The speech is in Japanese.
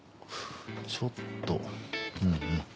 ちょっとうんうん。